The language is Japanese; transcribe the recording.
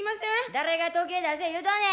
誰が「時計出せ」言うとんねや！